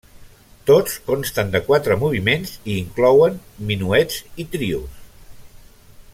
Tots consten de quatre moviments i inclouen minuets i trios.